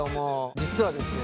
実はですね